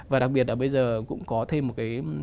và đặc biệt là bây giờ cũng có thêm một cái